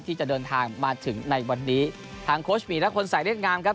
ที่จะเดินทางมาถึงในวันนี้ทางมีทั้งคนใส่เล่นงามครับ